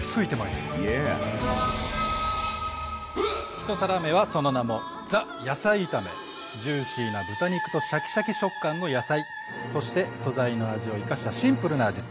１皿目はその名もジューシーな豚肉とシャキシャキ食感の野菜そして素材の味を生かしたシンプルな味付け。